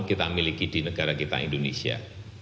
kita miliki di negara kita indonesia